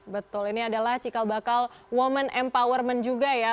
betul ini adalah cikal bakal women empowerment juga ya